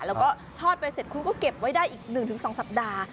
แล้วก็ทอดไปเสร็จคุณก็เก็บไว้ได้อีก๑๒สัปดาห์